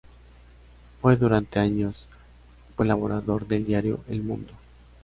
Fue durante años colaborador del diario "El Mundo".